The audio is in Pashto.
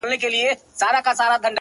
هغه خاموسه شان آهنگ چي لا په ذهن کي دی”